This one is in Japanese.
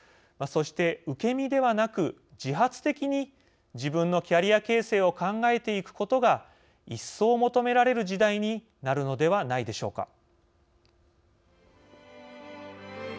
そして、受け身ではなく自発的に自分のキャリア形成を考えていくことが一層求められる時代になるのではないでしょうか。